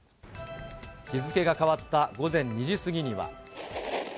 日付が変わった午前２時過ぎには。